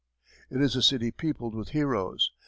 It is a city peopled with heroes.